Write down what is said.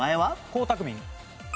江沢民。